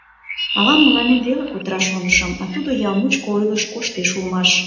Авам мыланем веле кутыра, шонышым, а тудо ял мучко ойлышт коштеш улмаш.